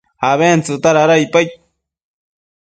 abentsëcta dada icpaid